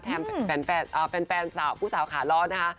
แทนแฟนผู้สาวขาร้อนนะคะ